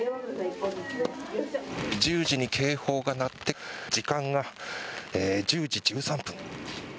１０時に警報が鳴って時間が１０時１３分。